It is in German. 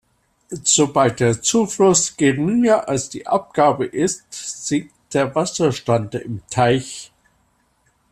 Sobald der Zufluss geringer als die Abgabe ist, sinkt der Wasserstand im Teich.